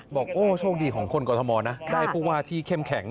บอกโอ้โชคดีของคนกรทมนะได้ผู้ว่าที่เข้มแข็ง